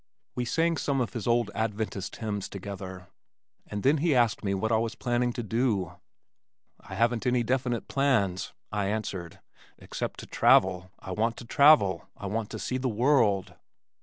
We sang some of his old Adventist hymns together and then he asked me what I was planning to do. "I haven't any definite plans," I answered, "except to travel. I want to travel. I want to see the world."